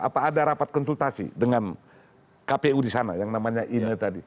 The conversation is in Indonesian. apa ada rapat konsultasi dengan kpu disana yang namanya ini tadi